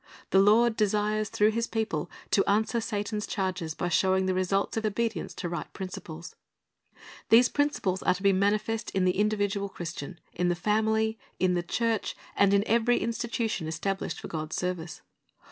The Lord desires through His people to answer Satan's charges by showing the results of obedience to right principles. These principles are to be manifest in the individual Christian, in the family, in the church, and in eveiy institution established for God's service.